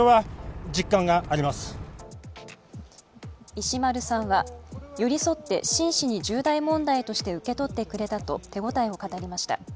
石丸さんは寄り添って真摯に重大問題として受け取ってくれたと手応えを語りました。